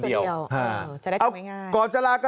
อันนี้จะต้องจับเบอร์เพื่อที่จะแข่งกันแล้วคุณละครับ